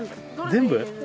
全部？